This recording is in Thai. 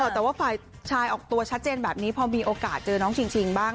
แต่ว่าฝ่ายชายออกตัวชัดเจนแบบนี้พอมีโอกาสเจอน้องชิงบ้าง